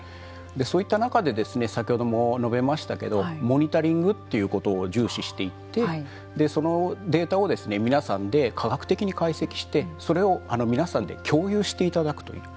そういった中で先ほども述べましたけどモニタリングということを重視していってそのデータを皆さんで科学的に解析してそれを皆さんで共有していただくという。